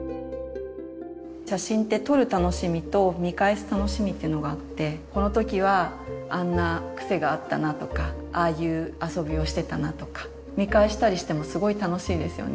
写真って撮る楽しみと見返す楽しみっていうのがあってこの時はあんな癖があったなとかああいう遊びをしてたなとか見返したりしてもすごい楽しいですよね。